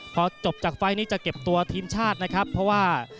พอจบจากไฟล์นี้จะเก็บตัวทีมชาตินะครับเพราะว่า